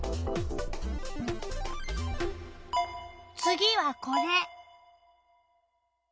次はこれ。